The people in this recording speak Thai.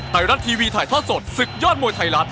ไทยรัฐทีวีถ่ายทอดสดศึกยอดมวยไทยรัฐ